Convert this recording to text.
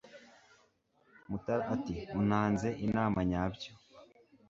Mutara ati Untanze inama yabyo